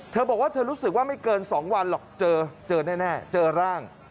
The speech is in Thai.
เธอบอกว่าเธอรู้สึกว่าไม่เกิน๒วันหรอกเจอแน่เจอร่าง